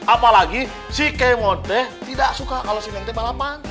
apalagi si kemote tidak suka kalau si neng neng balapan